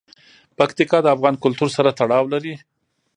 پکتیکا د افغان کلتور سره تړاو لري.